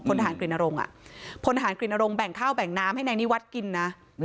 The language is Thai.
คนอาหารกลิ่นอารมณ์อะคนอาหารกลิ่นอารมณ์แบ่งข้าวแบ่งน้ำให้ในนี้วัดกินนะ